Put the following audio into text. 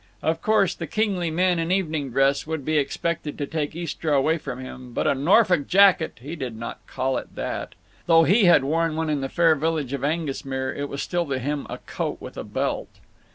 Of course, the kingly men in evening dress would be expected to take Istra away from him, but a Norfolk jacket—He did not call it that. Though he had worn one in the fair village of Aengusmere, it was still to him a "coat with a belt."